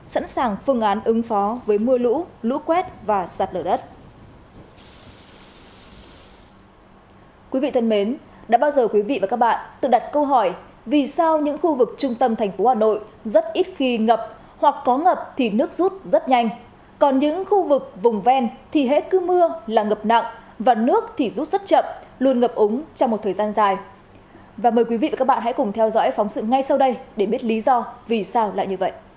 sẵn sàng phương án ứng phó với mưa lũ lũ quét và sạt lở đất